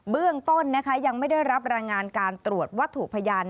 เบื้องต้นยังไม่ได้รับรายงานการตรวจวัตถุพยาน